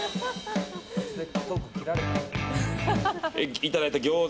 いただいた餃子